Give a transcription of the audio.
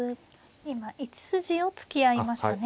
今１筋を突き合いましたね。